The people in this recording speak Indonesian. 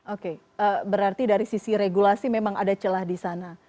oke berarti dari sisi regulasi memang ada celah di sana